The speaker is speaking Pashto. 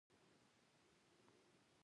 د تکیې وړ لوړ پوړی